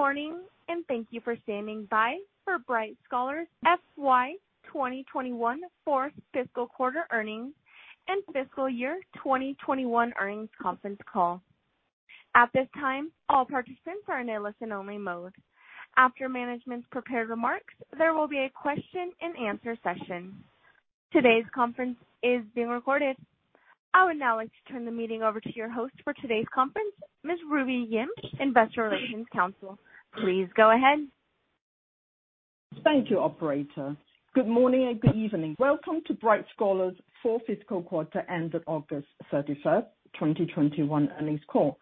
Good morning, and thank you for standing by for Bright Scholar's FY 2021 Fourth Fiscal Quarter Earnings and Fiscal Year 2021 Earnings Conference Call. At this time, all participants are in a listen-only mode. After management's prepared remarks, there will be a question and answer session. Today's conference is being recorded. I would now like to turn the meeting over to your host for today's conference, Ms. Ruby Yim, Investor Relations Counsel. Please go ahead. Thank you, operator. Good morning and good evening. Welcome to Bright Scholar's Fourth Fiscal Quarter Ended August 31st, 2021 Earnings Call.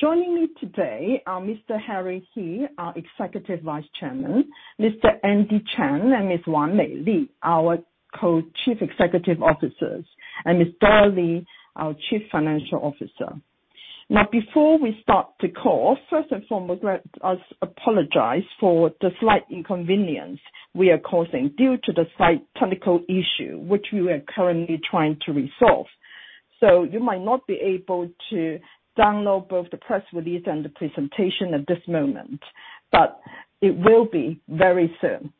Joining me today are Mr. Jerry He, our Executive Vice Chairman, Mr. Andy Chen and Ms. Wanmei Li, our Co-Chief Executive Officers, and Ms. Dora Li, our Chief Financial Officer. Now, before we start the call, first and foremost, let us apologize for the slight inconvenience we are causing due to the slight technical issue which we are currently trying to resolve. You might not be able to download both the press release and the presentation at this moment, but it will be very soon.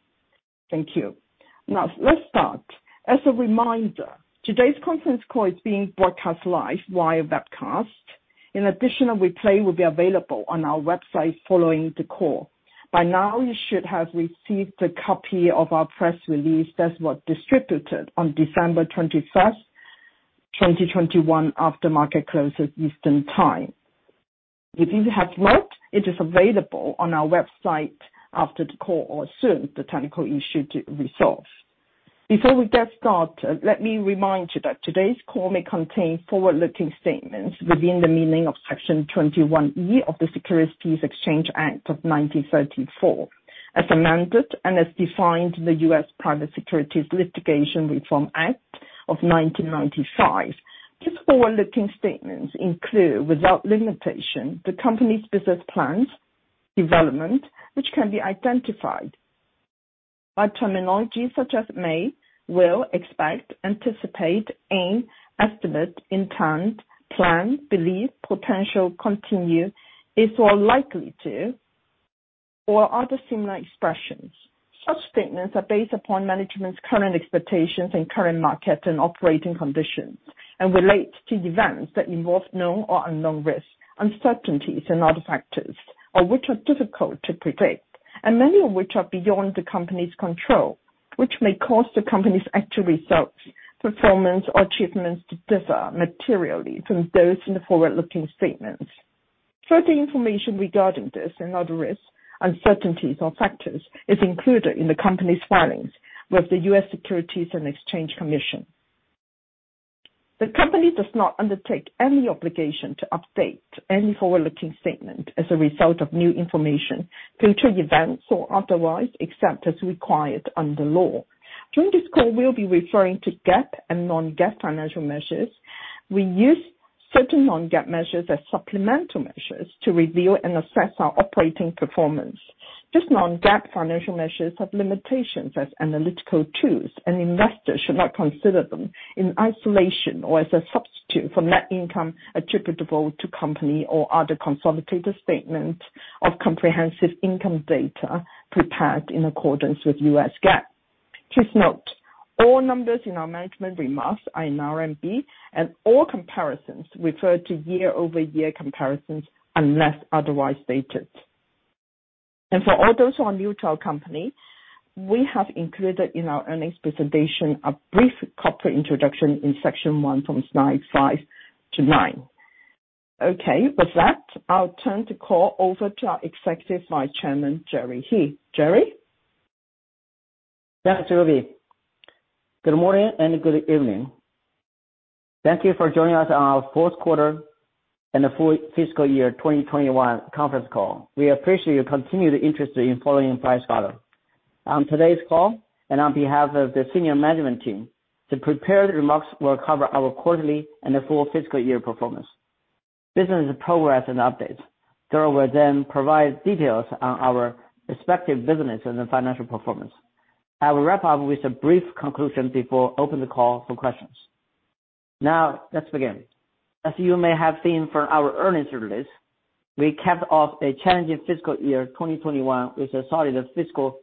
Thank you. Now let's start. As a reminder, today's conference call is being broadcast live via webcast. In addition, a replay will be available on our website following the call. By now, you should have received a copy of our press release that was distributed on December 21st, 2021, after market closes, Eastern Time. If you have not, it is available on our website after the call or as soon as the technical issue to resolve. Before we get started, let me remind you that today's call may contain forward-looking statements within the meaning of Section 21E of the Securities Exchange Act of 1934, as amended, and as defined in the U.S. Private Securities Litigation Reform Act of 1995. These forward-looking statements include, without limitation, the company's business plans, development which can be identified by terminology such as may, will, expect, anticipate, aim, estimate, intend, plan, believe, potential, continue, if or likely to, or other similar expressions. Such statements are based upon management's current expectations and current market and operating conditions, and relates to events that involve known or unknown risks, uncertainties and other factors of which are difficult to predict, and many of which are beyond the company's control, which may cause the company's actual results, performance or achievements to differ materially from those in the forward-looking statements. Further information regarding this and other risks, uncertainties or factors is included in the company's filings with the U.S. Securities and Exchange Commission. The company does not undertake any obligation to update any forward-looking statement as a result of new information, future events, or otherwise, except as required under law. During this call, we'll be referring to GAAP and non-GAAP financial measures. We use certain non-GAAP measures as supplemental measures to review and assess our operating performance. These non-GAAP financial measures have limitations as analytical tools, and investors should not consider them in isolation or as a substitute for net income attributable to company or other consolidated statements of comprehensive income data prepared in accordance with U.S. GAAP. Please note, all numbers in our management remarks are in RMB, and all comparisons refer to year-over-year comparisons unless otherwise stated. For all those who are new to our company, we have included in our earnings presentation a brief corporate introduction in section one from slide five to nine. Okay, with that, I'll turn the call over to our Executive Vice Chairman, Jerry He. Jerry. Thanks, Ruby. Good morning and good evening. Thank you for joining us on our Fourth Quarter and Full Fiscal Year 2021 Conference Call. We appreciate your continued interest in following Bright Scholar. On today's call, on behalf of the senior management team, the prepared remarks will cover our quarterly and full fiscal year performance, business progress and updates. Dora will then provide details on our respective business and the financial performance. I will wrap up with a brief conclusion before open the call for questions. Now, let's begin. As you may have seen from our earnings release, we capped off a challenging fiscal year 2021 with a solid fiscal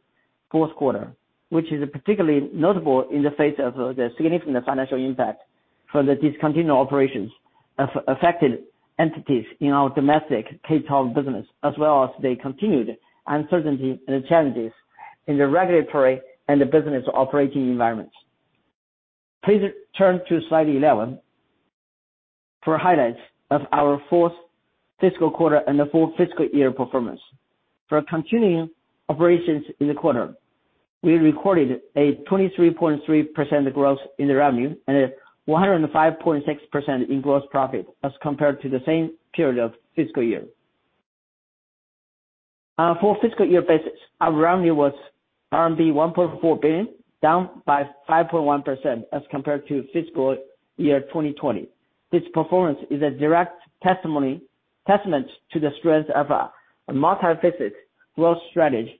fourth quarter, which is particularly notable in the face of the significant financial impact for the discontinued operations of affected entities in our domestic K-12 business, as well as the continued uncertainty and challenges in the regulatory and the business operating environments. Please turn to slide 11 for highlights of our fourth fiscal quarter and the full fiscal year performance. For continuing operations in the quarter, we recorded a 23.3% growth in the revenue and a 105.6% in gross profit as compared to the same period of fiscal year. Full fiscal year basis, our revenue was RMB 1.4 billion, down by 5.1% as compared to fiscal year 2020. This performance is a direct testament to the strength of our multi-facet growth strategy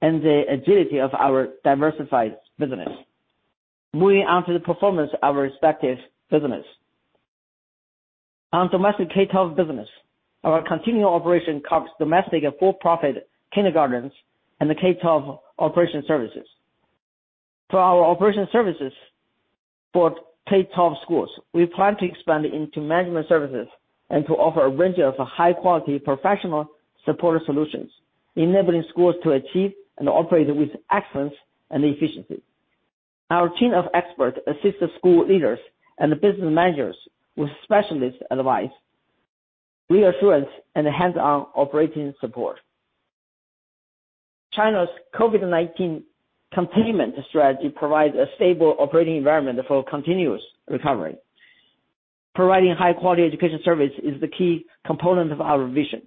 and the agility of our diversified business. Moving on to the performance of our respective business. On domestic K-12 business, our continuing operation covers domestic and for-profit kindergartens and the K-12 operation services. For our operation services for K-12 schools, we plan to expand into management services and to offer a range of high-quality professional support solutions, enabling schools to achieve and operate with excellence and efficiency. Our team of experts assist the school leaders and the business managers with specialist advice, reassurance, and hands-on operating support. China's COVID-19 containment strategy provides a stable operating environment for continuous recovery. Providing high-quality education service is the key component of our vision.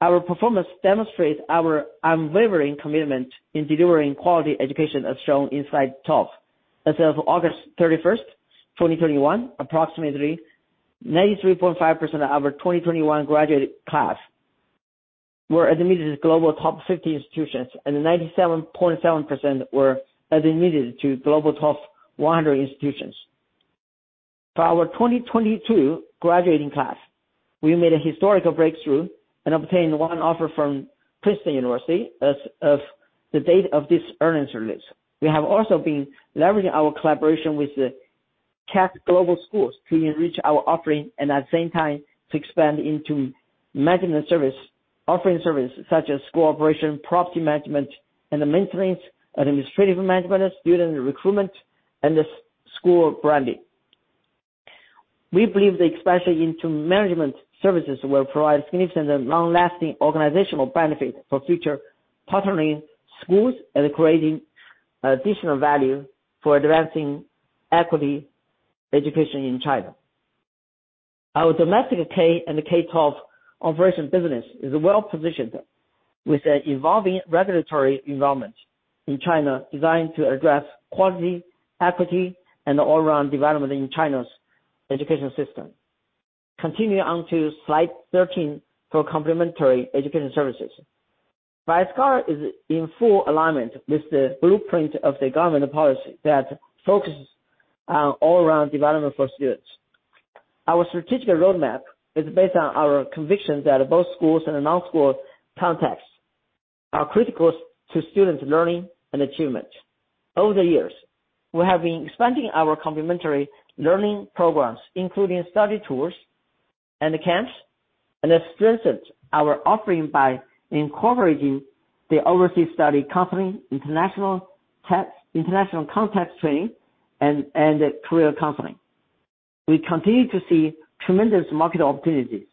Our performance demonstrates our unwavering commitment in delivering quality education, as shown in slide 12. As of August 31st, 2021, approximately 93.5% of our 2021 graduate class were admitted to global top 50 institutions, and 97.7% were admitted to global top 100 institutions. For our 2022 graduating class, we made a historical breakthrough and obtained one offer from Princeton University as of the date of this earnings release. We have also been leveraging our collaboration with the CATS Global Schools to enrich our offering and at the same time to expand into management service, offering service such as school operation, property management and maintenance, administrative management, student recruitment, and the school branding. We believe the expansion into management services will provide significant and long-lasting organizational benefits for future partnering schools and creating additional value for advancing equity education in China. Our domestic K-12 operation business is well-positioned with an evolving regulatory environment in China designed to address quality, equity, and all-around development in China's education system. Continue on to slide 13 for Complementary Education Services. Bright Scholar is in full alignment with the blueprint of the government policy that focuses on all-around development for students. Our strategic roadmap is based on our conviction that both schools and non-school contexts are critical to students' learning and achievement. Over the years, we have been expanding our complementary learning programs, including Study Tours and camps, and strengthened our offering by incorporating the overseas study counseling, international context training and career counseling. We continue to see tremendous market opportunities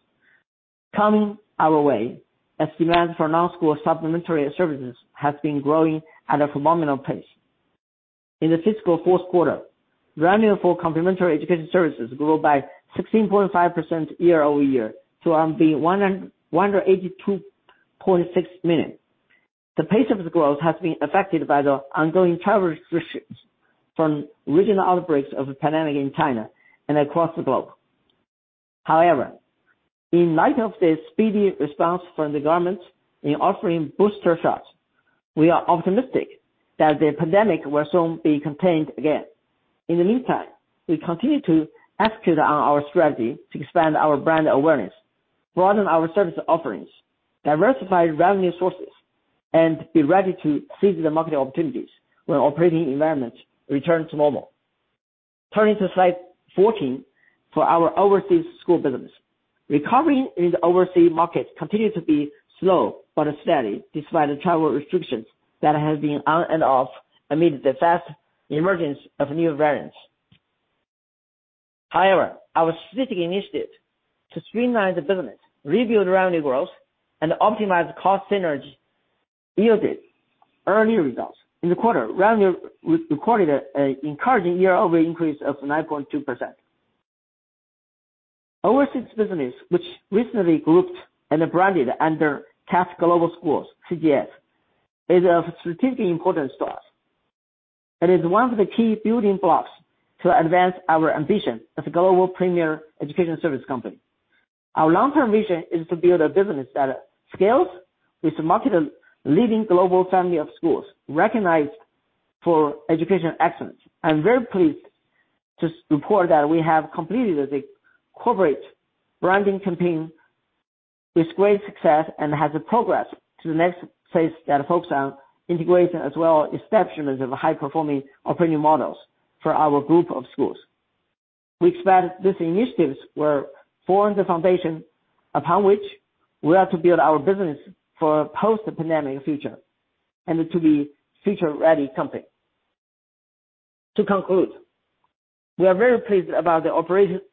coming our way as demand for non-school supplementary services has been growing at a phenomenal pace. In the fiscal fourth quarter, revenue for Complementary Education Services grew by 16.5% year-over-year to 182.6 million. The pace of growth has been affected by the ongoing travel restrictions from regional outbreaks of the pandemic in China and across the globe. However, in light of the speedy response from the government in offering booster shots, we are optimistic that the pandemic will soon be contained again. In the meantime, we continue to execute on our strategy to expand our brand awareness, broaden our service offerings, diversify revenue sources, and be ready to seize the market opportunities when operating environments return to normal. Turning to slide 14 for our overseas school business. Recovery in the overseas markets continues to be slow but steady, despite the travel restrictions that have been on and off amid the fast emergence of new variants. However, our strategic initiative to streamline the business, rebuild revenue growth, and optimize cost synergy yielded early results. In the quarter, revenue re-recorded an encouraging year-over-year increase of 9.2%. Overseas business, which recently grouped and branded under CATS Global Schools, CGS, is of strategic importance to us and is one of the key building blocks to advance our ambition as a global premier education service company. Our long-term vision is to build a business that scales with market-leading global family of schools recognized for education excellence. I'm very pleased to report that we have completed the corporate branding campaign with great success and has progressed to the next phase that focus on integration as well establishment of high-performing operating models for our group of schools. We expect these initiatives will form the foundation upon which we are to build our business for post-pandemic future and to be future-ready company. To conclude, we are very pleased about the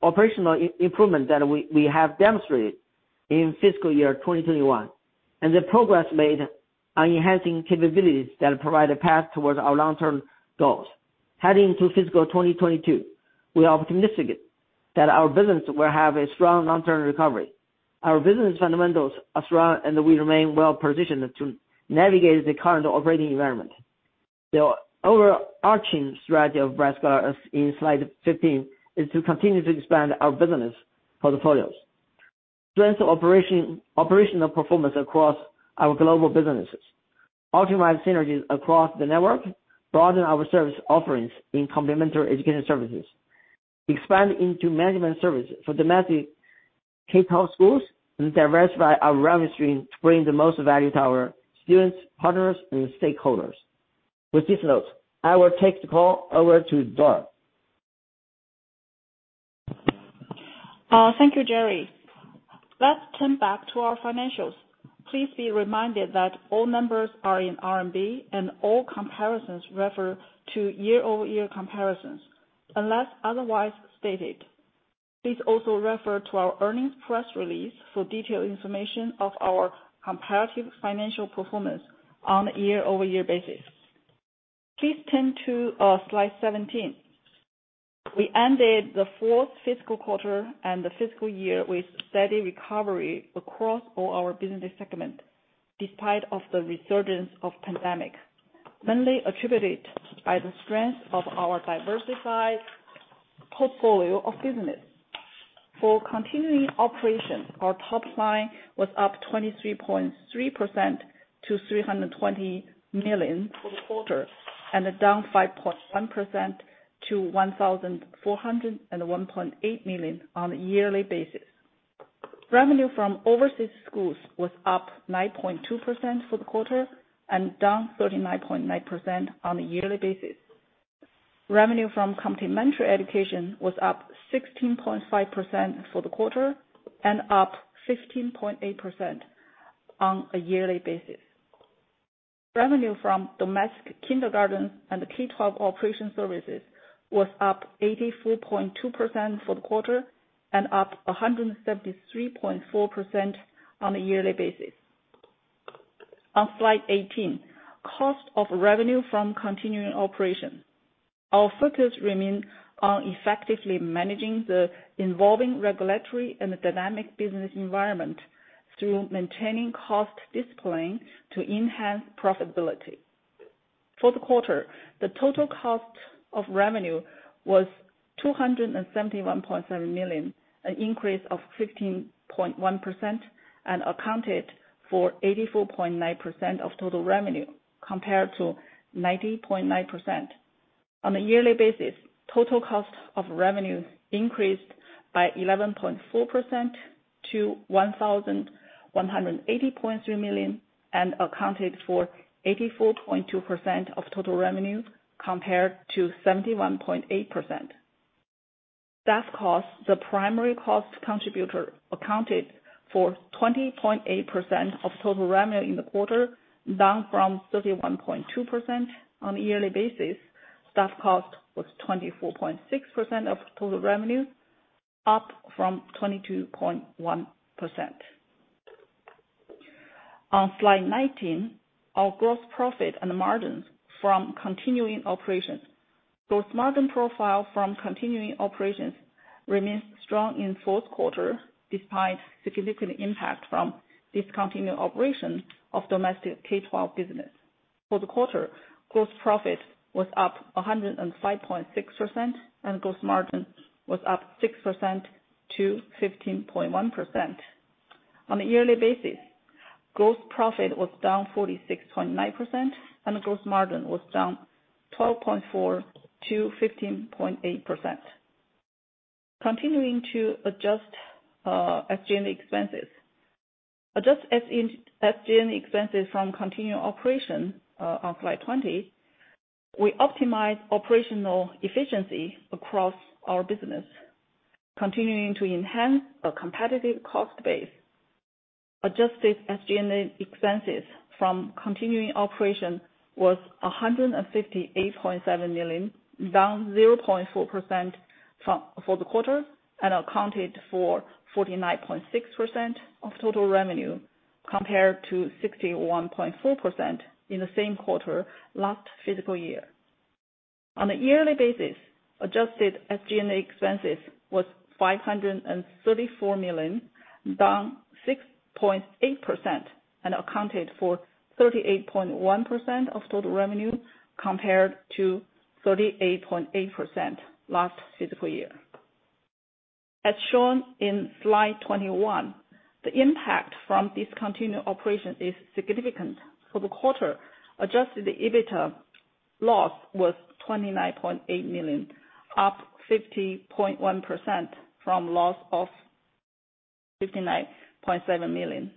operational improvement that we have demonstrated in fiscal year 2021 and the progress made on enhancing capabilities that provide a path towards our long-term goals. Heading to fiscal year 2022, we are optimistic that our business will have a strong long-term recovery. Our business fundamentals are strong, and we remain well-positioned to navigate the current operating environment. The overarching strategy of Bright Scholar, as in slide 15, is to continue to expand our business portfolios, strengthen operations, operational performance across our global businesses, optimize synergies across the network, broaden our service offerings in complementary education services, expand into management services for domestic K-12 schools, and diversify our revenue stream to bring the most value to our students, partners, and stakeholders. With this note, I will take the call over to Dora. Thank you, Jerry. Let's turn back to our financials. Please be reminded that all numbers are in RMB and all comparisons refer to year-over-year comparisons unless otherwise stated. Please also refer to our earnings press release for detailed information of our comparative financial performance on a year-over-year basis. Please turn to slide 17. We ended the fourth fiscal quarter and the fiscal year with steady recovery across all our business segments, despite of the resurgence of pandemic, mainly attributed by the strength of our diversified portfolio of business. For continuing operations, our top line was up 23.3% to 320 million for the quarter, and down 5.1% to 1,401.8 million on a yearly basis. Revenue from overseas schools was up 9.2% for the quarter and down 39.9% on a yearly basis. Revenue from complementary education was up 16.5% for the quarter and up 15.8% on a yearly basis. Revenue from domestic kindergarten and the K-12 operation services was up 84.2% for the quarter and up 173.4% on a yearly basis. On slide 18, cost of revenue from continuing operations. Our focus remains on effectively managing the evolving regulatory and the dynamic business environment through maintaining cost discipline to enhance profitability. For the quarter, the total cost of revenue was 271.7 million, an increase of 15.1% and accounted for 84.9% of total revenue, compared to 90.9%. On a yearly basis, total cost of revenue increased by 11.4% to 1,180.3 million, and accounted for 84.2% of total revenue, compared to 71.8%. That cost, the primary cost contributor accounted for 20.8% of total revenue in the quarter, down from 31.2%. On a yearly basis, staff cost was 24.6% of total revenue, up from 22.1%. On slide 19, our gross profit and the margins from continuing operations. Gross margin profile from continuing operations remains strong in fourth quarter, despite significant impact from discontinued operation of domestic K-12 business. For the quarter, gross profit was up 105.6%, and gross margin was up 6%-15.1%. On a yearly basis, gross profit was down 46.9%, and gross margin was down 12.4%-15.8%. Continuing to adjust SG&A expenses. Adjust SG&A expenses from continuing operation, on slide 20, we optimize operational efficiency across our business, continuing to enhance a competitive cost base. Adjusted SG&A expenses from continuing operation was 158.7 million, down 0.4% for the quarter, and accounted for 49.6% of total revenue, compared to 61.4% in the same quarter last fiscal year. On a yearly basis, adjusted SG&A expenses was 534 million, down 6.8% and accounted for 38.1% of total revenue, compared to 38.8% last fiscal year. As shown in slide 21, the impact from discontinued operation is significant. For the quarter, adjusted EBITDA loss was 29.8 million, up 50.1% from loss of 59.7 million. Adjusted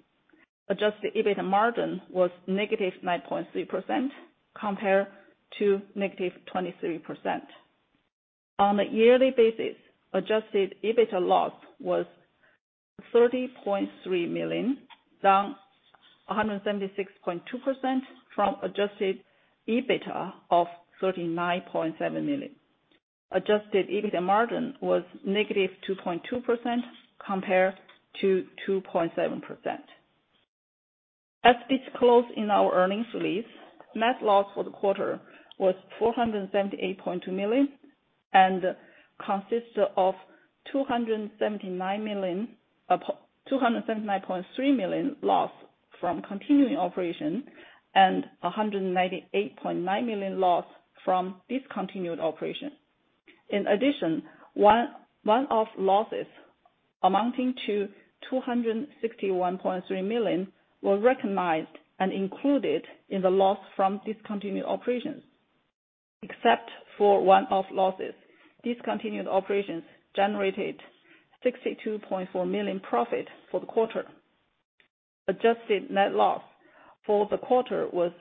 EBITDA margin was negative 9.3% compared to negative 23%. On a yearly basis, adjusted EBITDA loss was 30.3 million, down 176.2% from adjusted EBITDA of 39.7 million. Adjusted EBITDA margin was -2.2% compared to 2.7%. As disclosed in our earnings release, net loss for the quarter was 478.2 million and consists of 279.3 million loss from continuing operations and 198.9 million loss from discontinued operations. In addition, one-off losses amounting to 261.3 million were recognized and included in the loss from discontinued operations. Except for one-off losses, discontinued operations generated 62.4 million profit for the quarter. Adjusted net loss for the quarter was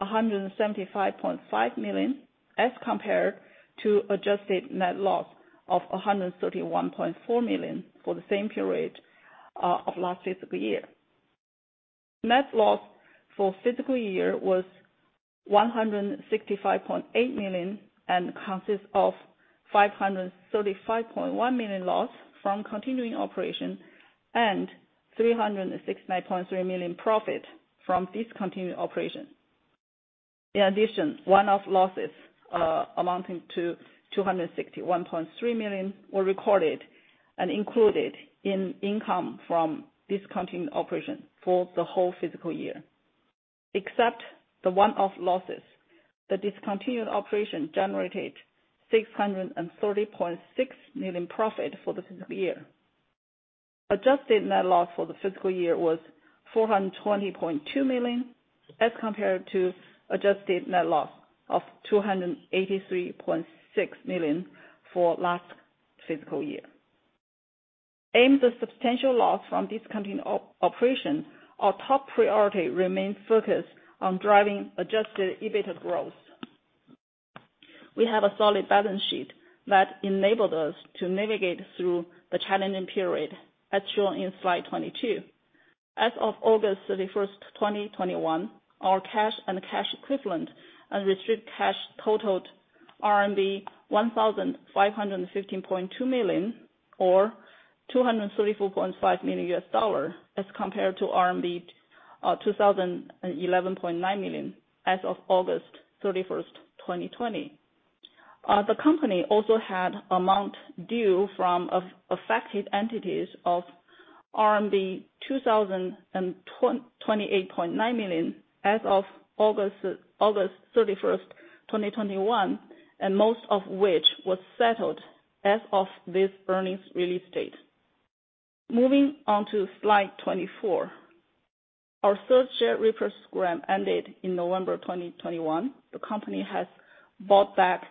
175.5 million, as compared to adjusted net loss of 131.4 million for the same period of last fiscal year. Net loss for fiscal year was 165.8 million and consists of 535.1 million loss from continuing operation and 369.3 million profit from discontinued operation. In addition, one-off losses amounting to 261.3 million were recorded and included in income from discontinued operation for the whole fiscal year. Except the one-off losses, the discontinued operation generated 630.6 million profit for the fiscal year. Adjusted net loss for the fiscal year was 420.2 million, as compared to adjusted net loss of 283.6 million for last fiscal year. Amidst the substantial loss from discontinued operation, our top priority remains focused on driving adjusted EBITDA growth. We have a solid balance sheet that enabled us to navigate through the challenging period, as shown in slide 22. As of August 31st, 2021, our cash and cash equivalents and restricted cash totaled RMB 1,515.2 million or $234.5 million, as compared to RMB 2,011.9 million as of August 31st, 2020. The company also had amounts due from affected entities of RMB 2,028.9 million as of August 31st, 2021, and most of which was settled as of this earnings release date. Moving on to slide 24. Our third share repurchase program ended in November 2021. The company has bought back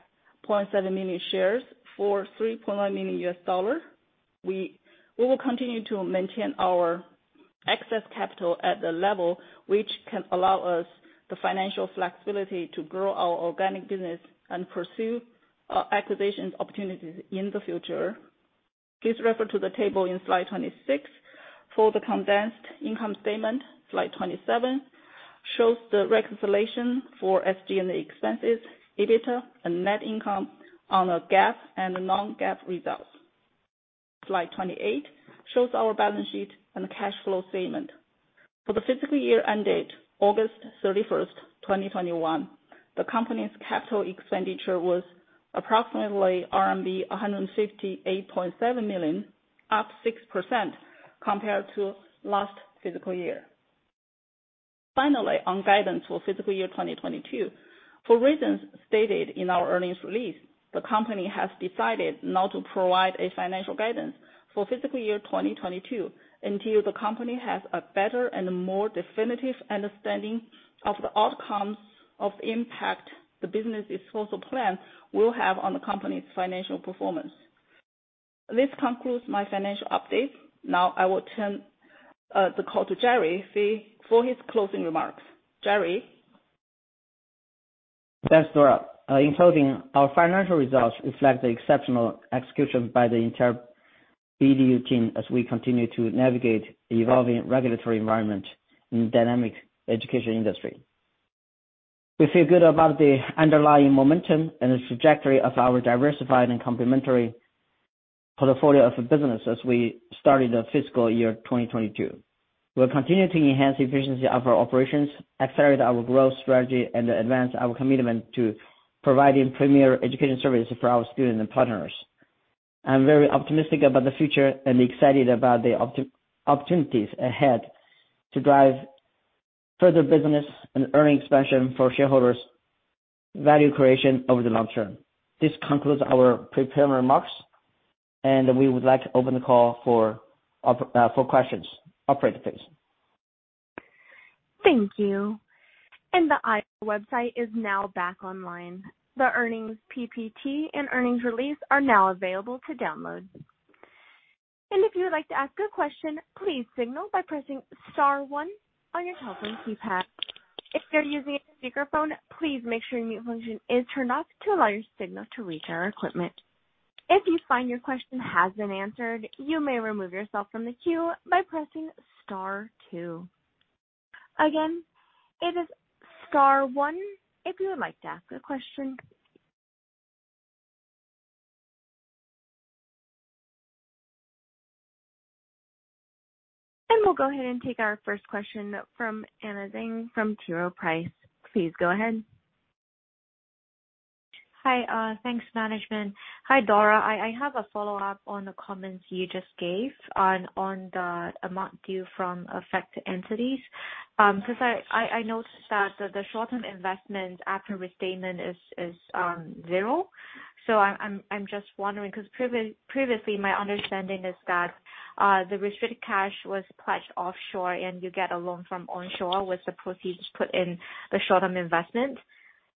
0.7 million shares for $3.9 million. We will continue to maintain our excess capital at the level which can allow us the financial flexibility to grow our organic business and pursue acquisitions opportunities in the future. Please refer to the table in slide 26 for the condensed income statement. Slide 27 shows the reconciliation for SG&A expenses, EBITDA, and net income on a GAAP and non-GAAP results. Slide 28 shows our balance sheet and cash flow statement. For the fiscal year ended August 31st, 2021, the company's capital expenditure was approximately RMB 158.7 million, up 6% compared to last fiscal year. Finally, on guidance for fiscal year 2022. For reasons stated in our earnings release, the company has decided not to provide financial guidance for fiscal year 2022 until the company has a better and more definitive understanding of the outcomes of impact the business disposal plan will have on the company's financial performance. This concludes my financial update. Now I will turn the call to Jerry He for his closing remarks. Jerry? Thanks, Dora. In closing, our financial results reflect the exceptional execution by the entire BEDU team as we continue to navigate the evolving regulatory environment in dynamic education industry. We feel good about the underlying momentum and the trajectory of our diversified and complementary portfolio of businesses as we start the fiscal year 2022. We're continuing to enhance efficiency of our operations, accelerate our growth strategy, and advance our commitment to providing premier education services for our students and partners. I'm very optimistic about the future and excited about the opportunities ahead to drive further business and earnings expansion for shareholder value creation over the long term. This concludes our prepared remarks, and we would like to open the call for questions. Operator, please. Thank you. The IR website is now back online. The earnings PPT and earnings release are now available to download. If you would like to ask a question, please signal by pressing star one on your telephone keypad. If you're using a speakerphone, please make sure your mute function is turned off to allow your signal to reach our equipment. If you find your question has been answered, you may remove yourself from the queue by pressing star two. Again, it is star one if you would like to ask a question. We'll go ahead and take our first question from Anna Zhang from KeyBanc. Please go ahead. Hi. Thanks, management. Hi, Dora. I have a follow-up on the comments you just gave on the amount due from affected entities. Because I noticed that the short term investment after restatement is zero. So I'm just wondering 'cause previously my understanding is that the restricted cash was pledged offshore and you get a loan from onshore with the proceeds put in the short-term investment.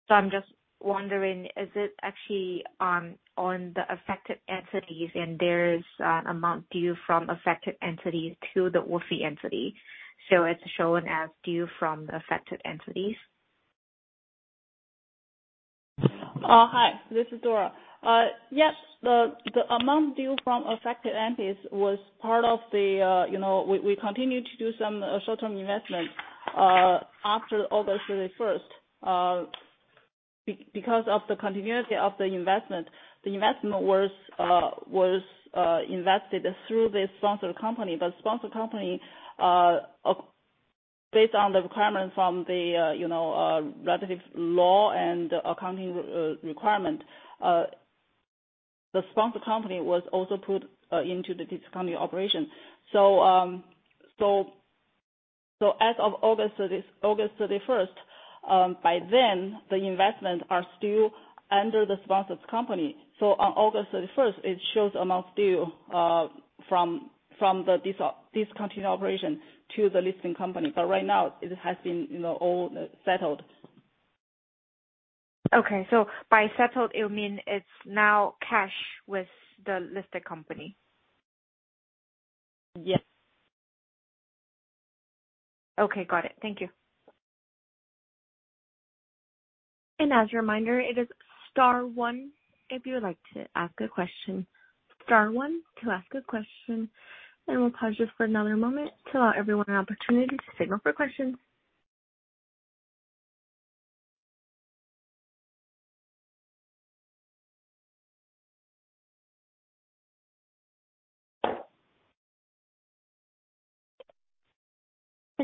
So I'm just wondering, is it actually on the affected entities and there's amount due from affected entities to the WFOE entity, so it's shown as due from affected entities? Hi, this is Dora. Yes, the amount due from affected entities was part of the, you know, we continue to do some short-term investment after August 31st. Because of the continuity of the investment, the investment was invested through the sponsored company. The sponsored company, based on the requirement from the, you know, relative law and accounting requirement, the sponsor company was also put into the discontinued operation. As of August 31st, by then, the investment are still under the sponsored company. On August 31st, it shows amount due from the discontinued operation to the listing company. Right now it has been, you know, all settled. Okay. By settled it would mean it's now cash with the listed company? Yes. Okay. Got it. Thank you. As a reminder, it is star one if you would like to ask a question. Star one to ask a question. We'll pause just for another moment to allow everyone an opportunity to signal for questions.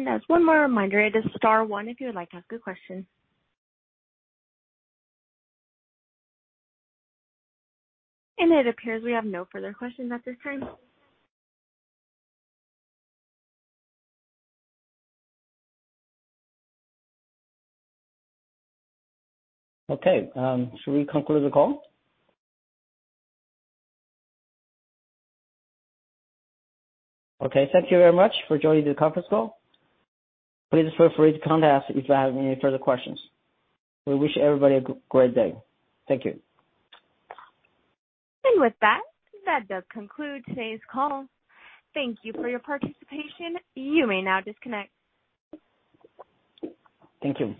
As one more reminder, it is star one if you would like to ask a question. It appears we have no further questions at this time. Okay. Shall we conclude the call? Okay, thank you very much for joining the conference call. Please feel free to contact us if you have any further questions. We wish everybody a great day. Thank you. With that does conclude today's call. Thank you for your participation. You may now disconnect. Thank you.